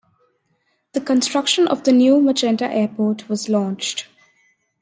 The construction of the new Magenta airport was launched.